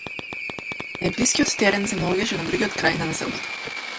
Најблискиот терен се наоѓаше на другиот крај од населбата.